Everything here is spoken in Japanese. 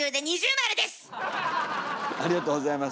ありがとうございます。